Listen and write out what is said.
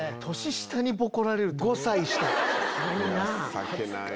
情けない。